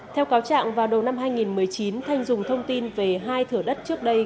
theo cáo trạng vào đầu năm hai nghìn một mươi chín thanh dùng thông tin về hai thửa đất trước đây